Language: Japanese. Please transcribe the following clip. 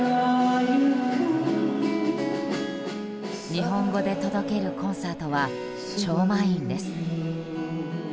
日本語で届けるコンサートは超満員です。